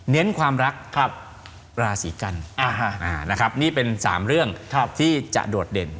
เน้นความรักราศีกันนะครับนี่เป็น๓เรื่องที่จะโดดเด่น